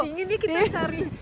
tinggi nih kita cari